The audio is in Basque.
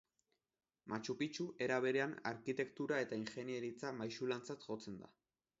Machu Picchu, era berean, arkitektura eta ingeniaritza maisulantzat jotzen da.